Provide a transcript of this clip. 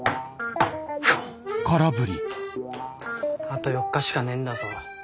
あと４日しかねえんだぞ。